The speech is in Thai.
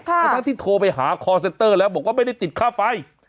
ค่ะทั้งที่โทรไปหาแล้วบอกว่าไม่ได้ติดค่าไฟ